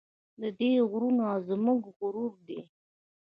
د دې غرونه زموږ غرور دی